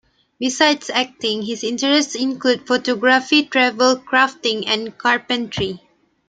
Besides acting, his interests include photography, travel, crafting, and carpentry.